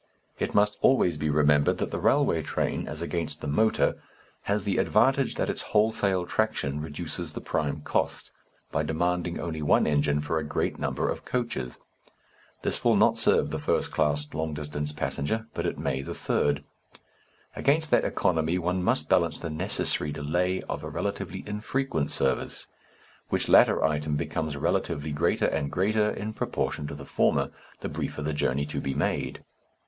It must always be remembered that the railway train, as against the motor, has the advantage that its wholesale traction reduces the prime cost by demanding only one engine for a great number of coaches. This will not serve the first class long distance passenger, but it may the third. Against that economy one must balance the necessary delay of a relatively infrequent service, which latter item becomes relatively greater and greater in proportion to the former, the briefer the journey to be made.